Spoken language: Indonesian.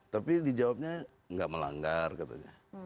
tapi dijawabnya nggak melanggar katanya